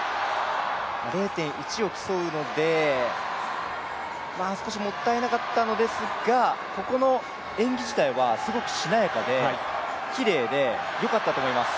０．１を競うので、少しもったいなかったのですがここの演技自体はすごくしなやかできれいで、よかったと思います。